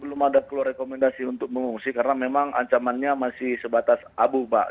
mengungsi kita belum ada perlu rekomendasi untuk mengungsi karena memang ancamannya masih sebatas abu mbak